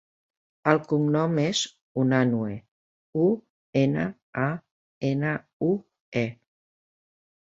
El cognom és Unanue: u, ena, a, ena, u, e.